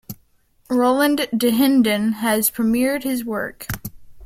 Roland Dahinden has premiered his work.